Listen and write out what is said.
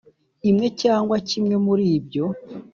imwe cyangwa kimwe muri ibyo